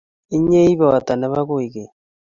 Inye I poto nebo koigeny